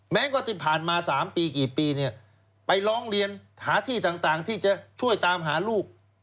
แม้ก็ที่ผ่านมา๓ปีกี่ปีเนี่ยไปร้องเรียนหาที่ต่างที่จะช่วยตามหาลูก